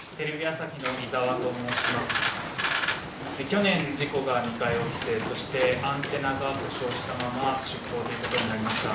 去年事故が２回起きてアンテナが故障したまま出港ということになりました。